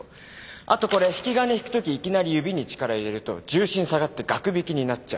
あとこれ引き金引くときいきなり指に力入れると銃身下がってガクビキになっちゃう。